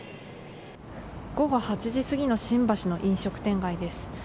午後８時過ぎの新橋の飲食店街です。